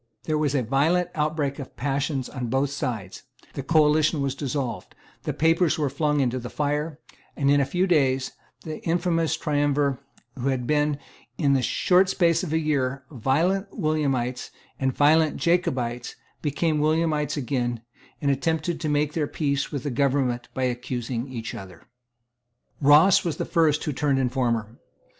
There was a violent outbreak of passion on both sides; the coalition was dissolved; the papers were flung into the fire; and, in a few days, the infamous triumvirs who had been, in the short space of a year, violent Williamites and violent Jacobites, became Williamites again, and attempted to make their peace with the government by accusing each other, Ross was the first who turned informer.